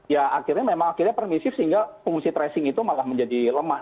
ya akhirnya memang akhirnya permisif sehingga fungsi tracing itu malah menjadi lemah